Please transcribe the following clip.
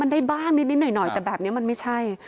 มันได้บ้างนิดหน่อยแต่แบบนี้มันไม่ใช่